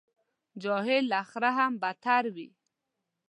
جاهل له خره هم بدتر وي.